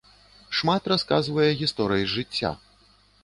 Шмат расказвае гісторый з жыцця.